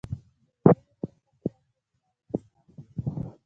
ډېرو لويو لويو شخصياتو شپه او ورځ کار کړی دی